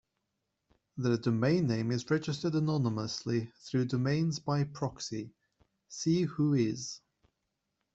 Their domain name is registered anonymously through domains by proxy, see whois.